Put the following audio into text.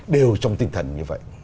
đều trong tinh thần như vậy